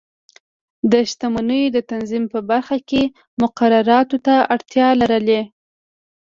د شتمنیو د تنظیم په برخه کې مقرراتو ته اړتیا لرله.